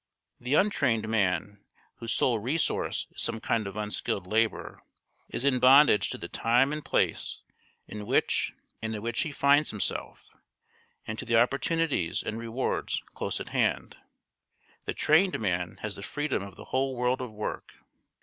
The untrained man, whose sole resource is some kind of unskilled labour, is in bondage to the time and place in which and at which he finds himself, and to the opportunities and rewards close at hand; the trained man has the freedom of the whole world of work.